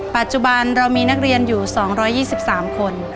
ปัจจุบันเรามีนักเรียนอยู่๒๒๓คน